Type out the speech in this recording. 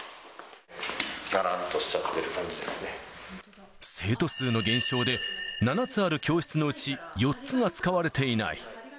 がらんとしちゃってる感じで生徒数の減少で、７つある教室のうち、４つが使われていない。